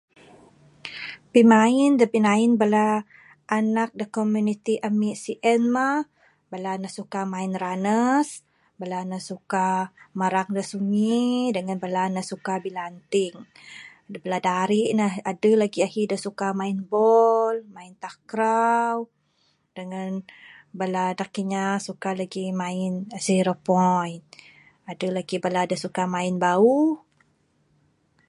Pimain da pinain bala anak da komuniti ami sien mah bala ne suka main runnes, bala ne suka merang da sungi, dengan bala ne suka bilanting. Dak bala darik ne adeh legi ahi dak suka main ball, main takraw dengan bala anak kinya suka legi main zero point. Adeh legi ne bala dak suka main bau.